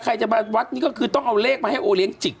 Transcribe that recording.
ในวัดในวัดนี้คือต้องเอาเลขให้โอเลี้ยงจิก